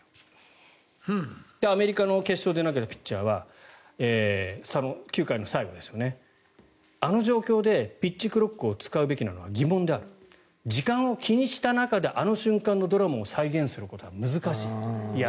アメリカの決勝で投げたピッチャーは９回の最後、あの状況でピッチクロックを使うべきなのか疑問である時間を気にした中であの瞬間のドラマを再現することは難しい。